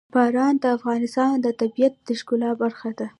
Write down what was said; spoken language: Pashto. باران د افغانستان د طبیعت د ښکلا برخه ده.